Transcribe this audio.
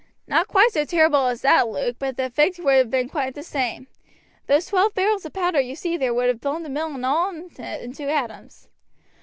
"Not quite so terrible as that, Luke; but the effect would have been the same. Those twelve barrels of powder you see there would have blown the mill and all in it into atoms."